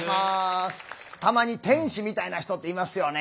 たまに天使みたいな人っていますよね。